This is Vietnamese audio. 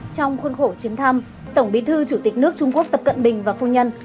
trong khuôn khổ chuyến thăm tổng bí thư chủ tịch nước trung quốc tập cận bình và phu nhân